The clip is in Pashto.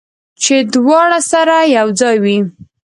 چې دواړه سره یو ځای وي